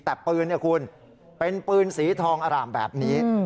แต่ปืนเนี่ยคุณเป็นปืนสีทองอร่ามแบบนี้